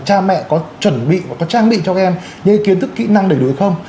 cha mẹ có chuẩn bị và có trang bị cho các em những kiến thức kỹ năng để đối không